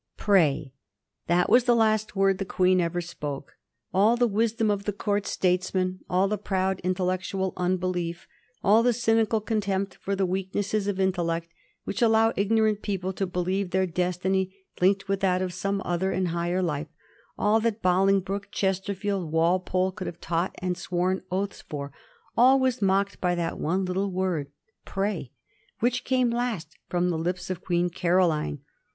"Pray!" That was the last word the Queen ever spoke. All the wisdom of the Court statesmen, all the proud, in tellectual unbelief, all the cynical contempt for the weak nesses of intellect which allow ignorant people to believe their destiny linked with that of some other and higher life — all that Bolingbroke, Chesterfield, Walpole, would have taught and sworn oaths for — all was mocked by that one little word, " pray," which came last from the lips of Queen Caroline.